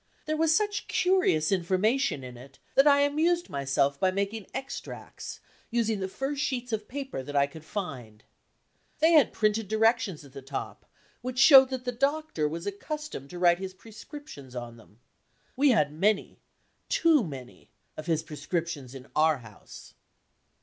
There was such curious information in it that I amused myself by making extracts, using the first sheets of paper that I could find. They had printed directions at the top, which showed that the doctor was accustomed to write his prescriptions on them. We had many, too many, of his prescriptions in our house.